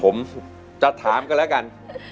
ผมจะถามกันแล้วกัน